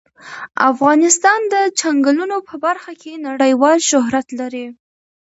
افغانستان د چنګلونه په برخه کې نړیوال شهرت لري.